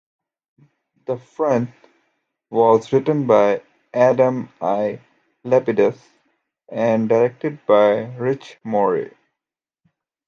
"The Front" was written by Adam I. Lapidus and directed by Rich Moore.